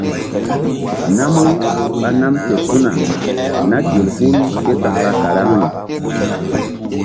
Namu ɓa nam fe su̧na na gel hul késakra karaŋri.